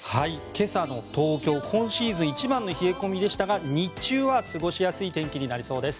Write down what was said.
今朝の東京、今シーズン一番の冷え込みでしたが日中は過ごしやすい天気になりそうです。